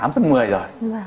tám phần một mươi rồi